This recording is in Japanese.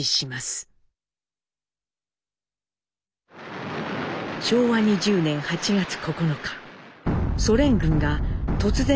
昭和２０年８月９日ソ連軍が突然満州に侵攻します。